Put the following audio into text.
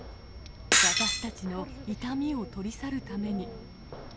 私たちの痛みを取り去るために。